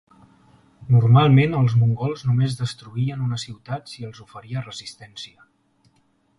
Normalment els mongols només destruïen una ciutat si els oferia resistència.